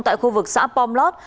tại khu vực xã pom lót